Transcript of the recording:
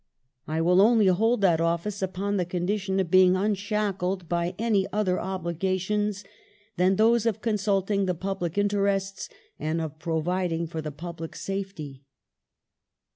I will only hold that office upon the condition of being unshackled by any other obliga tions than those of consulting the public interests and of providing . for the public safety."